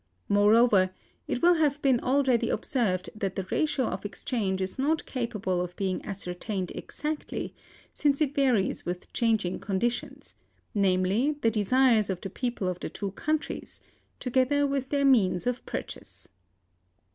Moreover, it will have been already observed that the ratio of exchange is not capable of being ascertained exactly, since it varies with changing conditions, namely, the desires of the people of the two countries, together with their means of purchase.